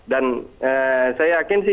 dan saya yakin sih